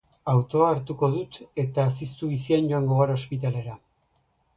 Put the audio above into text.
Autoa hartuko dut eta ziztu bizian joango gara ospitalera